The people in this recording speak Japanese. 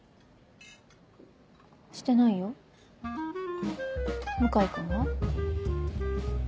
してないよ向井君は？